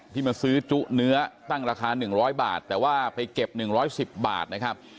มาซื้อจุเนื้อตั้งราคา๑๐๐บาทแต่ว่าไปเก็บ๑๑๐บาทนะครับ